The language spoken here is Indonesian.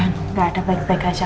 nggak ada baik baik aja